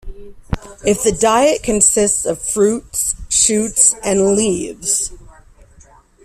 Its diet consists of fruits, shoots and leaves.